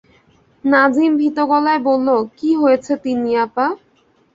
নাজিম ভীত গলায় বলল, কী হয়েছে তিন্নি আপা?